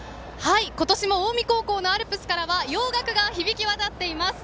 今年も近江高校のアルプスから洋楽が響き渡っています。